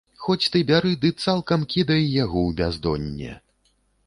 Хоць ты бяры ды цалкам кідай яго ў бяздонне.